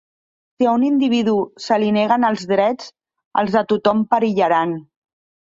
Si a un individu se li neguen els drets, els de tothom perillaran.